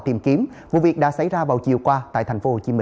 tìm kiếm vụ việc đã xảy ra vào chiều qua tại tp hcm